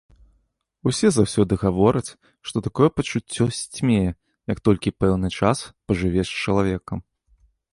Усе заўсёды гавораць, што такое пачуццё сцьмее, як толькі пэўны час пажывеш з чалавекам.